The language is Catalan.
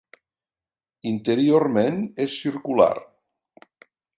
Interiorment és circular.